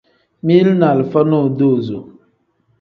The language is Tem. Mili ni alifa nodozo.